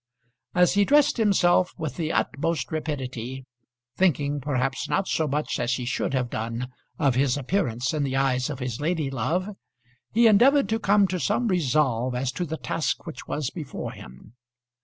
As he dressed himself with the utmost rapidity, thinking perhaps not so much as he should have done of his appearance in the eyes of his lady love, he endeavoured to come to some resolve as to the task which was before him.